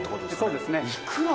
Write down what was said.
そうですね。